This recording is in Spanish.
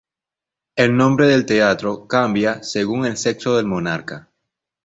El nombre del teatro cambia según el sexo del monarca.